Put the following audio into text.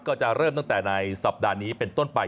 ก็จะเริ่มตั้งแต่ในสัปดาห์นี้เป็นต้นไป